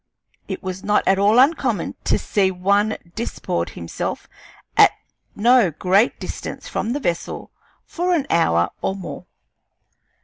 It was not at all uncommon to see one disport himself at no great distance from the vessel for an hour or more.